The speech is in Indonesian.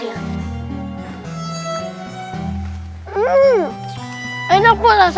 hmm enak pak rasanya